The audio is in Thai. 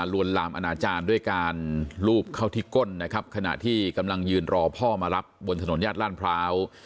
วนลามอนาจารย์ด้วยการลูบเข้าที่ก้นนะครับขณะที่กำลังยืนรอพ่อมารับบนถนนญาติลาดพร้าว